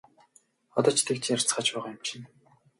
Одоо ч тэгж ярьцгааж байгаа юм чинь!